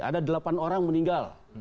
ada delapan orang meninggal